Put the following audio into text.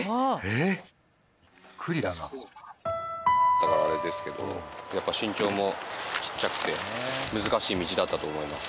だからあれですけどやっぱ身長もちっちゃくて難しい道だったと思います。